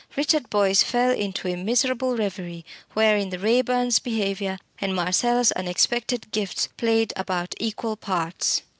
Richard Boyce fell into a miserable reverie, wherein the Raeburns' behaviour and Marcella's unexpected gifts played about equal parts.